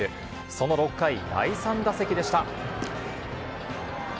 その６回、第３打席でした。